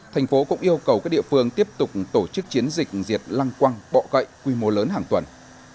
thành phố cũng yêu cầu các địa phương tiếp tục tổ chức chiến dịch diệt lăng quăng bọ gậy quy mô lớn hàng tuần